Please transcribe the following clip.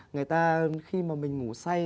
người ta khi mà mình ngủ say